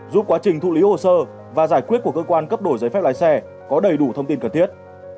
giúp quá trình thụ lý hồ sơ và giải quyết của cơ quan cấp đổi giấy phép lái xe có đầy đủ thông tin cần thiết